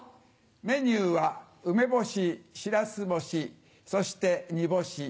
メニューは梅干ししらす干しそして煮干し。